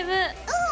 うん！